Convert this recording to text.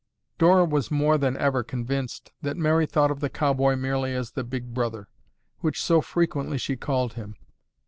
Dora was more than ever convinced that Mary thought of the cowboy merely as the Big Brother, which so frequently she called him.